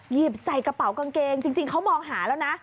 ใส่กระเป๋ากางเกงจริงเขามองหาแล้วนะ